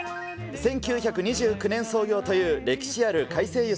１９２９年創業という歴史ある改正